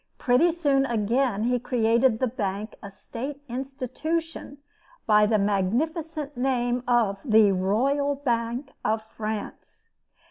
Pretty soon, again, he created the bank a state institution, by the magnificent name of The Royal Bank of France.